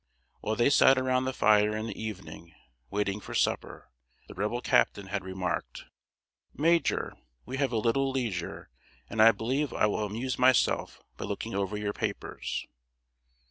While they sat around the fire in the evening, waiting for supper, the Rebel captain had remarked: "Major, we have a little leisure, and I believe I will amuse myself by looking over your papers."